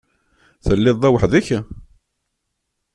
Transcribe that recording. Telliḍ da weḥd-k?